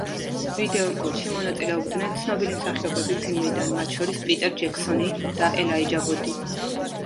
ვიდეო რგოლში მონაწილეობდნენ ცნობილი მსახიობები ფილმიდან, მათ შორის პიტერ ჯექსონი და ელაიჯა ვუდი.